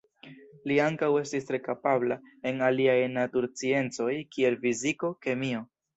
Li ankaŭ estis tre kapabla en aliaj natursciencoj kiel fiziko, kemio.